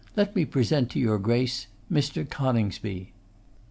Let me present to your Grace, MR. CONINGSBY.